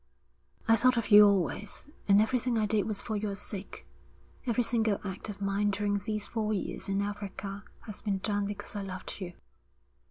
'I thought of you always, and everything I did was for your sake. Every single act of mine during these four years in Africa has been done because I loved you.'